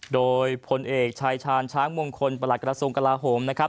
โดยพลเอกชายชาญช้างมงคลประหลักกระทรวงกลาโหมนะครับ